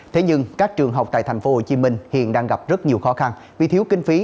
thế nhưng các trường học tại tp hcm hiện đang gặp rất nhiều khó khăn vì thiếu kinh phí